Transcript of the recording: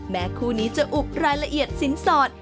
คู่นี้จะอุบรายละเอียดสินสอด